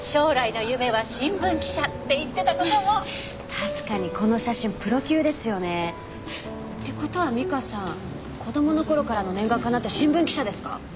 確かにこの写真プロ級ですよね。って事は美香さん子供の頃からの念願叶って新聞記者ですか？